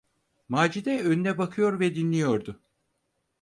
Macide önüne bakıyor ve dinliyordu.